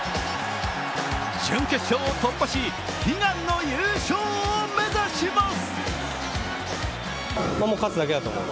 準決勝を突破し、悲願の優勝を目指します。